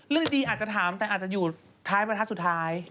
เรื่องดีอาจจะถามแต่อาจจะอยู่ท้ายประทัดสุดท้าย